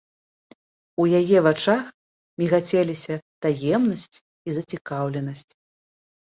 У яе вачах мігацеліся таемнасць і зацікаўленасць.